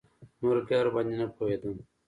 نور بيا ورباندې نه پوهېدم.